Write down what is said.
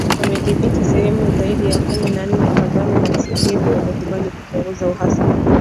wamedhibithi sehemu zaidi ya kumi na nne Kagame na Tshisekedi wamekubali kupunguza uhasama